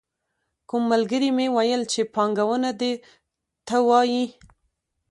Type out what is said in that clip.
کوم ملګري مې ویل چې پانګونه دې ته وايي.